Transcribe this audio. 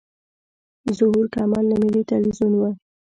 ظهور کمال له ملي تلویزیون و.